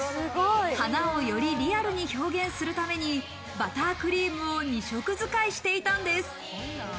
花をよりリアルに表現するために、バタークリームを２色使いしていたんです。